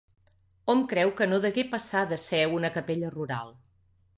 Hom creu que no degué passar de ser una capella rural.